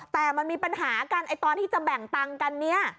แต่มันมีปัญหากันตอนที่จะแบ่งตังค์กันเนี่ย